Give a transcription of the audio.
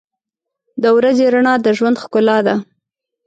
• د ورځې رڼا د ژوند ښکلا ده.